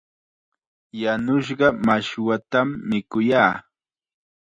Yanushqa mashwatam mikuyaa.